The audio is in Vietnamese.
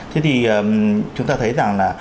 thế thì chúng ta thấy rằng là